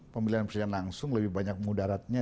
pemilihan presiden langsung lebih banyak mudaratnya